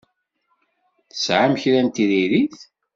Tesɛam kra n tiririt?